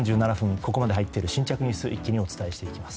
ここまで入っている新着ニュース一気にお伝えしていきます。